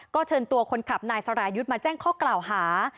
ก็เชิญตัวคนขับนายสรายุทธ์มาแจ้งข้อกล่าวหา